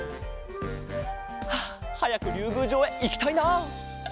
ああはやくりゅうぐうじょうへいきたいな。